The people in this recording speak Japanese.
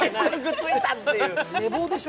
寝坊でしょ？